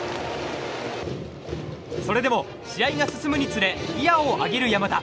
それでも試合が進むにつれギアを上げる山田。